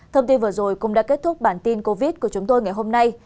thông tin vừa rồi cũng đã kết thúc bản tin covid của chúng tôi ngày hôm nay